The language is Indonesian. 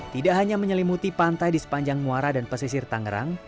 tidak hanya menyelimuti pantai di sepanjang muara dan pesisir tangerang